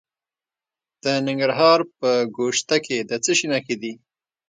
د ننګرهار په ګوشته کې د څه شي نښې دي؟